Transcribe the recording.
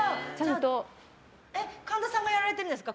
神田さんもやられてるんですか？